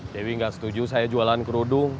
dewi gak setuju saya jualan kerudung